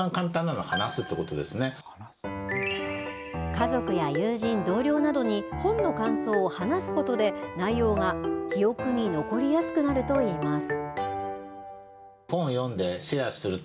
家族や友人、同僚などに本の感想を話すことで、内容が記憶に残りやすくなるといいます。